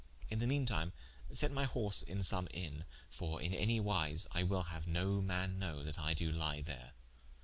In the meane time set my horse in some Inne: for in any wise I will haue no man know that I doe lie there."